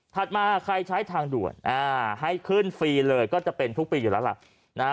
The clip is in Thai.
มาใครใช้ทางด่วนให้ขึ้นฟรีเลยก็จะเป็นทุกปีอยู่แล้วล่ะนะฮะ